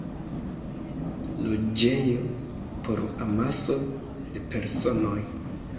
Loĝejo por amaso de personoj.